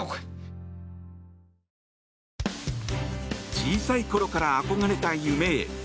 小さい頃から憧れた夢へ。